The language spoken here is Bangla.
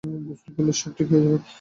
গোসল করলেই সব ঠিক হয়ে যাবে।